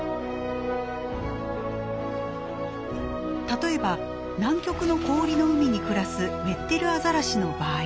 例えば南極の氷の海に暮らすウェッデルアザラシの場合。